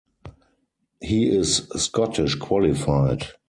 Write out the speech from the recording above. He is Scottish qualified.